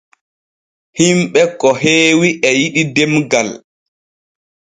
Hinɓe ko heewi e yiɗi demgal.